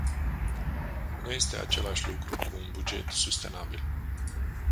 Nu este același lucru cu un buget sustenabil.